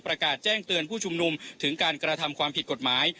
ประกาศแจ้งเตือนผู้ชุมนุมถึงการกระทำความผิดกฎหมาย